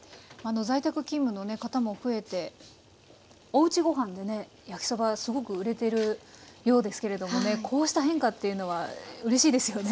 在宅勤務の方も増えておうちごはんでね焼きそばすごく売れてるようですけれどもねこうした変化っていうのはうれしいですよね。